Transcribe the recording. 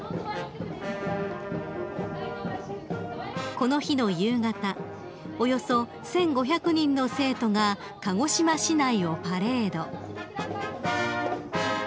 ［この日の夕方およそ１，５００人の生徒が鹿児島市内をパレード］